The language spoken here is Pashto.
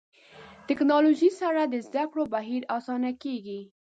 ټکنالوژي سره د زده کړو بهیر اسانه کېږي.